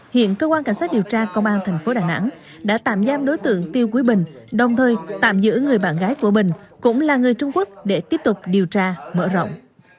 hiện cơ quan cảnh sát điều tra công an thành phố đà nẵng đã tạm giam đối tượng tiêu quý bình đồng thời tạm giữ người bạn gái của bình cũng là người trung quốc để tiếp tục điều tra mở rộng